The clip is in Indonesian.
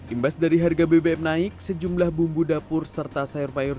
imbas dari harga bbm naik sejumlah bumbu dapur serta sayur sayur